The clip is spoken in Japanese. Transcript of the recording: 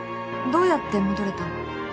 どうやって戻れたの？